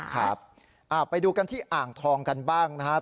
ครับไปดูกันที่อ่างทองกันบ้างนะครับ